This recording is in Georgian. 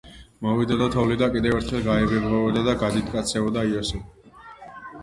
მოვიდოდა თოვლი და კიდევ ერთხელ გაიბებღვებოდა და გადიდკაცდებოდა იოსება.